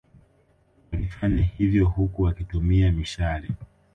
Wlifanya hivyo huku wakitumia mishale